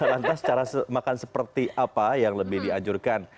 lantas cara makan seperti apa yang lebih dianjurkan